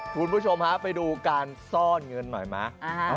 คุณผู้ชมฮะไปดูการซ่อนเงินหน่อยไหม